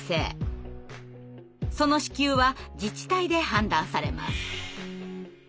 その支給は自治体で判断されます。